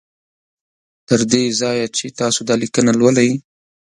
تر دې ځایه چې تاسو دا لیکنه لولی